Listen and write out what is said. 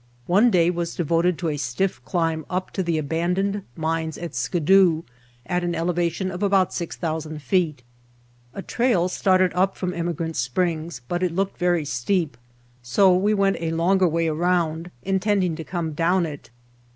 One day was devoted to a stifif climb up to the abandoned mines at Skidoo, at an elevation of about 6,000 feet. A trail started up from Emigrant Springs, but it looked very steep, so we went a longer way around intending to come down it.